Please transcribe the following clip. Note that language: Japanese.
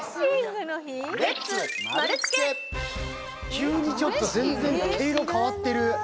急にちょっと全然、毛色変わってる。